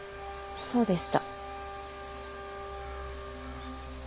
そうでした。